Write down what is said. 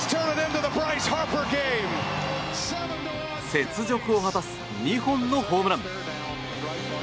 雪辱を果たす２本のホームラン。